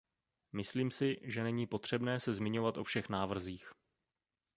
Myslím si, že není potřebné se zmiňovat o všech návrzích.